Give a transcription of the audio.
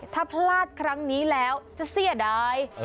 ถ้าพลาดครั้งนี้แล้วจะเสียดาย